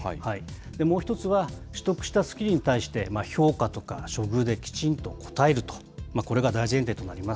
もう一つは、取得したスキルに対して、評価とか処遇できちんと応えると、これが大前提となります。